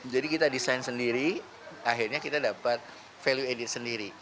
jadi kita desain sendiri akhirnya kita dapat value edit sendiri